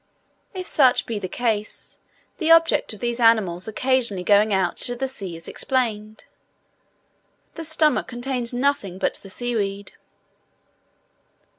If such be the case, the object of these animals occasionally going out to sea is explained. The stomach contained nothing but the sea weed.